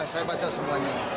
saya baca semuanya